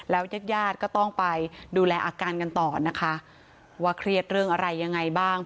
แล้วยักยาตรก็ต้องไปดูแลอาการกันต่อว่าเครียดเรื่องอะไรยังไงบ้าง